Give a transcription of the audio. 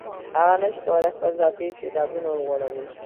هغه نشي کولای خپل ذاتي استعدادونه وغوړوي.